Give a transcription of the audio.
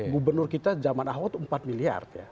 gubernur kita zaman ahok itu empat miliar